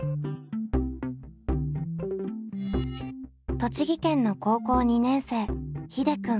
栃木県の高校２年生ひでくん。